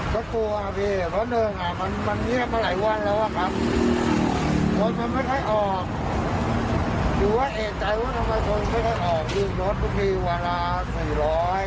ทัยสายเยอะแล้วเราก็จังเลยถึงว่าขายเลย